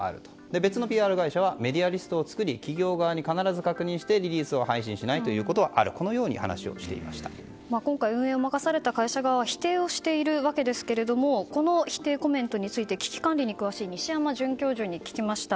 別のＰＲ会社はメディアリストを作り企業側に必ず確認してリリースを配信しないということはあると運営を任された会社側は否定をしているわけですがこの否定コメントについて危機管理に詳しい西山准教授に聞きました。